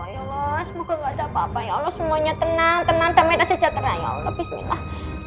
ya allah semoga gak ada apa apa ya allah semuanya tenang tenang damai dan sejahtera ya allah bismillah